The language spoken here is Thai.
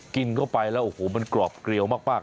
กินเข้าไปแล้วโอ้โหมันกรอบเกลียวมาก